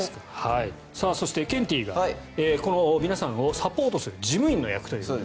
そしてケンティーが皆さんをサポートする事務員の役と。